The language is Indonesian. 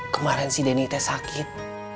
kemarin si denny teh sakit